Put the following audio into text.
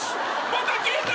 また消えた！